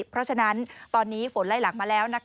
เพราะฉะนั้นตอนนี้ฝนไล่หลังมาแล้ว